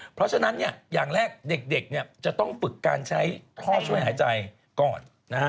เพราะฉะนั้นอย่างแรกเด็กจะต้องฝึกการใช้ท่อช่วยหายใจก่อนนะฮะ